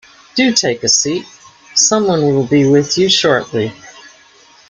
Do take a seat. Someone will be with you shortly.